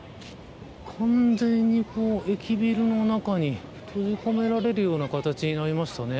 完全に駅ビルの中に閉じ込められるような形になりましたね。